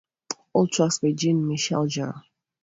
All tracks by Jean Michel Jarre.